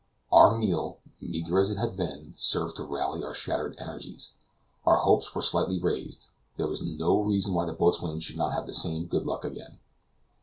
Our meal, meager as it had been, served to rally our shattered energies; our hopes were slightly raised; there was no reason why the boatswain should not have the same good luck again.